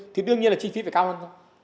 thì đương nhiên là chi phí phải cao hơn thôi